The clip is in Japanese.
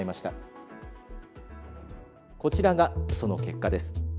こちらがその結果です。